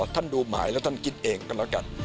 ท่านดูหมายแล้วท่านคิดเองก็แล้วกัน